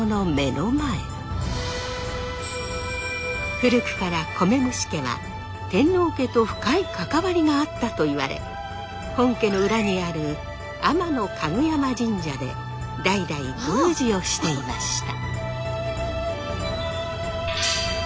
古くから米虫家は天皇家と深い関わりがあったといわれ本家の裏にある天香山神社で代々宮司をしていました。